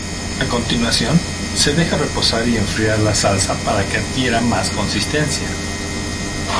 A continuación, se deja reposar y enfriar la salsa para que adquiera más consistencia.